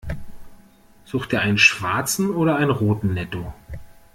Sucht ihr einen schwarzen oder einen roten Netto?